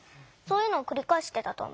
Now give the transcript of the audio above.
そういうのをくりかえしてた。